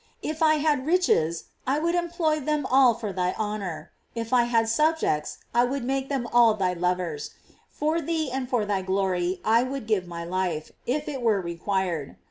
If I had riches, I would employ them all for thy honor; if I had subjects, I would make them ail thy lovers; for thee and for thy glory I would give my life, if it were required.